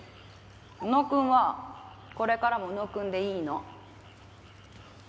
浮野くんはこれからも浮野くんでいいの。